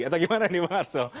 atau bagaimana pak arsul